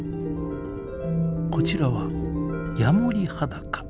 こちらはヤモリハダカ。